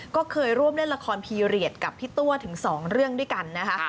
ก็เคยร่วมเล่นละครพีเรียสกับพี่ตัวถึง๒เรื่องด้วยกันนะคะ